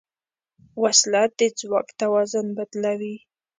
وسله د ځواک توازن بدلوي